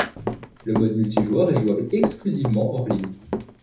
Le mode multijoueur est jouable exclusivement hors-ligne.